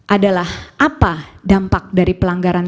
adalah apa dampak dari pelanggaran